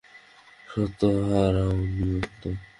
সত্য হারাও নি অন্তু।